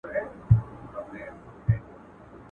اوس چي تا حواب راکړی خپل طالع مي ژړوینه.